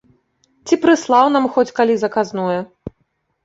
Ці прыслаў нам хоць калі заказное.